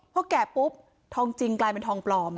พอแก่ปุ๊บทองจริงกลายเป็นทองปลอม